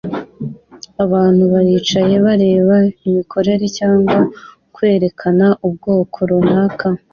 Abantu baricaye bareba imikorere cyangwa kwerekana ubwoko runaka